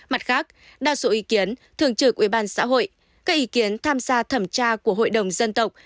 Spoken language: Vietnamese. mặt khác đa số ý kiến thượng trưởng ubxh các ý kiến tham gia thẩm tra của hội đồng dân tộc